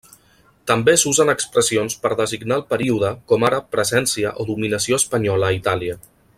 També s'usen expressions per designar el període com ara presència o dominació espanyola a Itàlia.